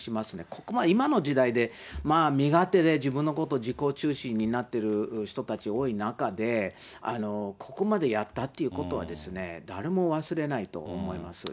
ここまで、今の時代で、まあ、身勝手で、自分のこと、自己中心になってる人たち多い中で、ここまでやったっていうことは、誰も忘れないと思います。